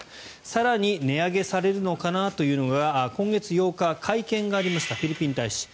更に値上げされるのかなというのが今月８日、会見がありましたフィリピン大使。